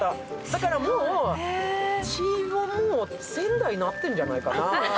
だからもう血も仙台になってるんじゃないかな。